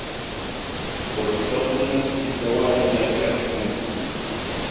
وَاتِّفَاقُ النَّاسِ فِي الدَّوَاعِي النَّافِعَةِ مُمْكِنٌ